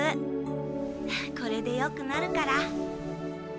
これでよくなるから。